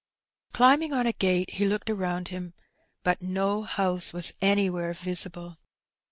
Climbing on a gate, he looked around him, but no house was anywhere visible.